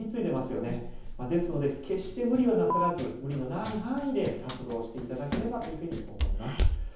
ですので決して無理はなさらず無理のない範囲で活動していただければと思います。